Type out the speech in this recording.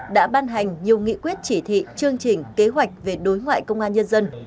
đã ban hành nhiều nghị quyết chỉ thị chương trình kế hoạch về đối ngoại công an nhân dân